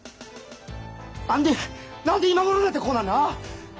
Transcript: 何で何で今頃になってこうなんのや！